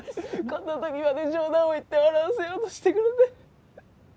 こんな時まで冗談を言って笑わせようとしてくれて。